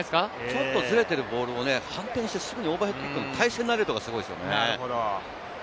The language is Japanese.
ちょっとずれてるボールを反転して、すぐオーバーヘッドの体勢になれるのがすごいよね。